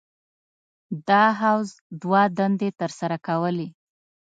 دا حوض دوه دندې تر سره کولې.